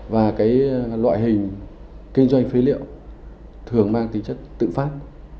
và cái loại hình kinh doanh phế liệu thường mang tính chất tự phát